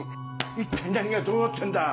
一体何がどうなってんだ⁉